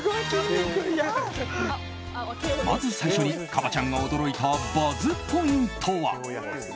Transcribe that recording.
まず最初にＫＡＢＡ．ちゃんが驚いたＢｕｚｚポイントは。